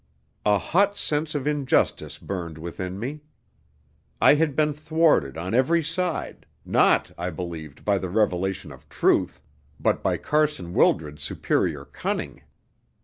A hot sense of injustice burned within me. I had been thwarted on every side, not, I believed, by the revelation of truth, but by Carson Wildred's superior cunning.